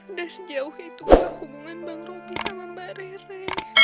udah sejauh itu hubungan bang roby sama mbak rere